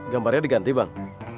gambarnya diganti bang